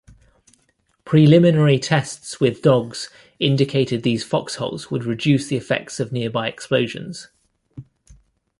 Preliminary tests with dogs indicated these foxholes would reduce the effects of nearby explosions.